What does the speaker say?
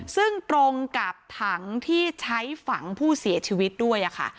ซึ่งตรงกับถังที่ใช้ฝังผู้เสียชีวิตด้วยค่ะ